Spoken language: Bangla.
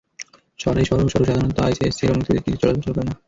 সবাই, সরো, সরো সাধারণত আইএসসির অনুমতি ব্যতীত কিছুই চলাচল করে না।